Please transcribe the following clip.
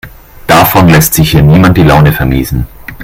Davon lässt sich hier niemand die Laune vermiesen.